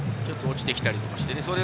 ちょっと落ちてきたりしてね。